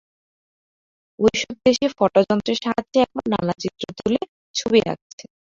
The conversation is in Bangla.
ঐ-সব দেশে ফটোযন্ত্রের সাহায্যে এখন নানা চিত্র তুলে ছবি আঁকছে।